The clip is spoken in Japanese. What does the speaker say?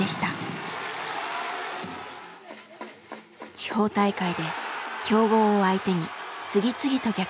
地方大会で強豪を相手に次々と逆転勝利。